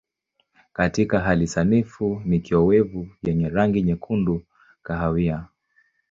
Katika hali sanifu ni kiowevu yenye rangi nyekundu kahawia.